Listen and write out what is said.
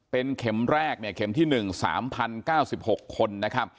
เป็นเข็มแรกเข็มที่๑๓๐๙๖คน